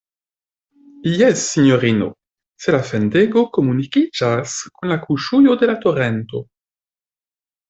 Jes, sinjorino, se la fendego komunikiĝas kun la kuŝujo de la torento.